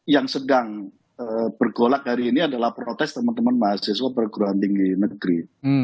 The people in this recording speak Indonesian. yang sedang bergolak hari ini adalah protes teman teman mahasiswa perguruan tinggi negeri